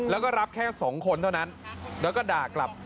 แล้วก็รับแค่สองคนเท่านั้นแล้วก็ด่ากลับ